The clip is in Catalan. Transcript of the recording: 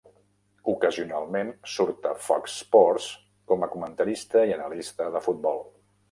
Ocasionalment surt a Fox Sports com a comentarista i analista de futbol.